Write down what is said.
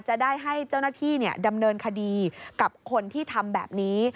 จะได้ให้เจ้าหน้าที่ดำเนินคดีกับคนที่ทำแบบนี้